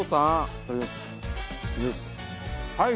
いただきます。